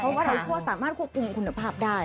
เพราะว่าเราก็สามารถควบคุมคุณภาพได้